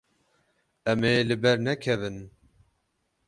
Em ê li ber nekevin.